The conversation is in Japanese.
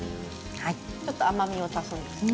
ちょっと甘みを足すんですね。